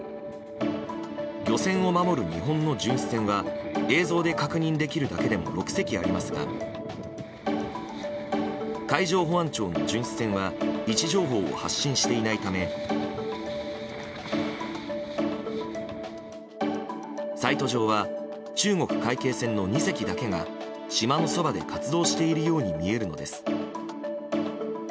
漁船を守る日本の巡視船は映像で確認できるだけでも６隻ありますが海上保安庁の巡視船は位置情報を発信していないためサイト上は中国海警船の２隻だけが島のそばで活動しているように見えるのです。